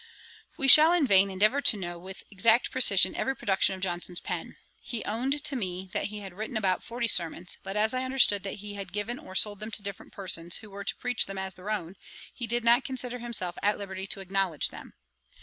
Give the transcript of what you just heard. We shall in vain endeavour to know with exact precision every production of Johnson's pen. He owned to me, that he had written about forty sermons; but as I understood that he had given or sold them to different persons, who were to preach them as their own, he did not consider himself at liberty to acknowledge them.